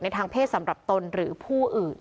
ทางเพศสำหรับตนหรือผู้อื่น